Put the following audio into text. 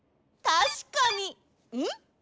たしかにん？